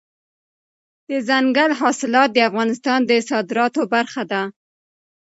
دځنګل حاصلات د افغانستان د صادراتو برخه ده.